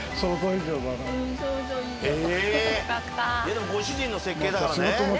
でもご主人の設計だからね。